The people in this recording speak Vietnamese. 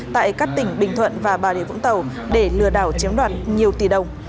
tại các tỉnh bình thuận và bà rịa vũng tàu để lừa đảo chiếm đoạt nhiều tỷ đồng